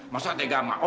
masa tega sama om